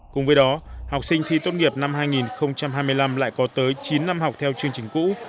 cùng với đó học sinh thi tốt nghiệp năm hai nghìn hai mươi năm lại có tới chín năm học theo chương trình cũ